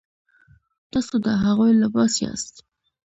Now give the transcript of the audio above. تاسو د هغوی لباس یاست.